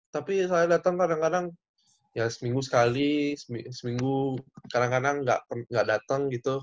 tapi saya datang kadang kadang ya seminggu sekali seminggu kadang kadang nggak datang gitu